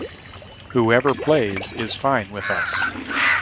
Whoever plays is fine with us.